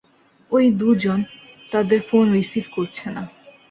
ঐ দুজন, তাদের ফোন রিসিভ করছে না।